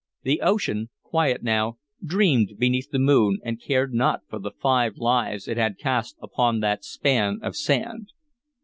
The ocean, quiet now, dreamed beneath the moon and cared not for the five lives it had cast upon that span of sand.